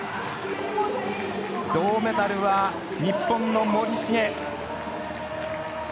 銅メダルは日本の森重。